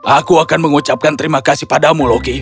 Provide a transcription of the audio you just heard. aku akan mengucapkan terima kasih padamu loki